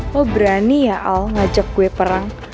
lo berani ya al ngajak gue perang